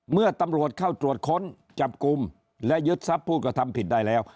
เมื่อตำรวจเข้าตรวจค้นจับกลุ่มและยึดทรัพย์ผู้กระทำผิดได้แล้ว